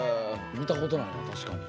見たことないな確かに。